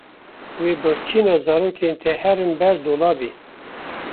Wê birçîna zarokên te herin ber dolabê.